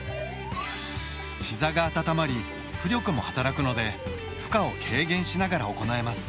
ひざが温まり浮力も働くので負荷を軽減しながら行えます。